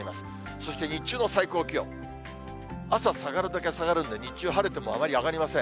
そして日中の最高気温、朝、下がるだけ下がるんで、日中、晴れてもあまり上がりません。